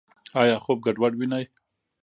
ایا خوب ګډوډ وینئ؟